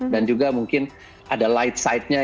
dan juga mungkin ada light side nya